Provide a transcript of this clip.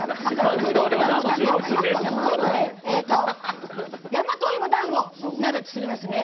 今度、「大和芋だんご鍋」を作りますね！